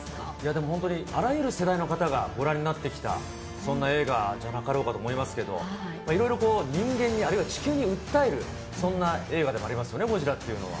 でも本当に、あらゆる世代の方がご覧になってきた、そんな映画じゃなかろうかと思いますけど、いろいろこう人間に、あるいは地球に訴える、そんな映画でもありますよね、ゴジラっていうのは。